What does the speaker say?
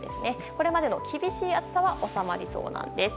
これまでの厳しい暑さは収まりそうなんです。